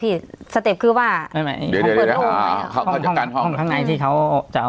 พี่คือว่าเดี๋ยวเขาก็จะกันห้องข้างในที่เขาจะเอา